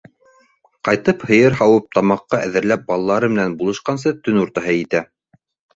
Ҡайтып, һыйыр һауып, тамаҡҡа әҙерләп, балалары менән булашҡансы, төн уртаһы етә.